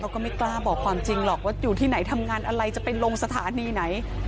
ก็ไม่กล้าบอกความจริงหรอกว่าอยู่ที่ไหนทำงานอะไรจะไปลงสถานีไหน